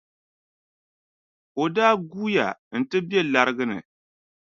O daa guuya nti be lariga ni.